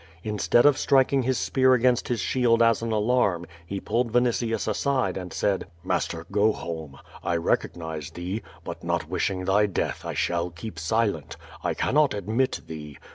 In stead of striking hiis spear against his shield as an alarm, he pulled Vinitius aside and said: "Master, go home. I recognize thee, but, not wishing thy death, I shall keep silent. I cannot admit thee.